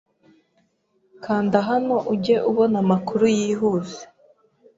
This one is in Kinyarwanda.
Kanda hano ujye ubona amakuru yihuse